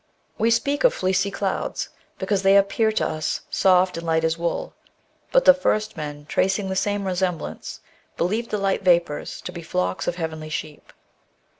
We speak of fleecy clouds, because they appear to us soft and light as wool, but the first men tracing the same resemblance, believed the light vapours to be flocks of heavenly sheep.